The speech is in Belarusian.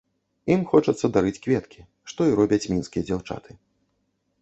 Ім хочацца дарыць кветкі, што і робяць мінскія дзяўчаты.